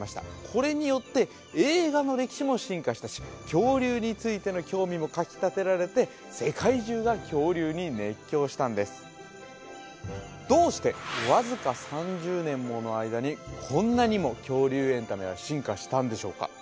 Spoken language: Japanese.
これによって映画の歴史も進化したし恐竜についての興味もかきたてられて世界中が恐竜に熱狂したんですどうしてわずか３０年もの間にこんなにも恐竜エンタメは進化したんでしょうか